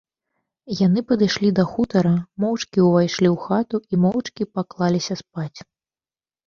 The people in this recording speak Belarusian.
Яны падышлі да хутара, моўчкі ўвайшлі ў хату і моўчкі паклаліся спаць.